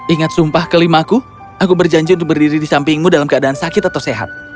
ingat sumpah kelimaku aku berjanji untuk berdiri di sampingmu dalam keadaan sakit atau sehat